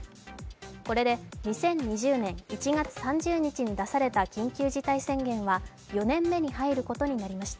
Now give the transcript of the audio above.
これで２０２０年１月３０日に出された緊急事態宣言は４年目に入ることになりました。